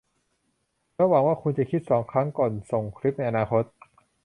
หวังว่าคุณจะคิดสองครั้งก่อนจะส่งสลิปในอนาคต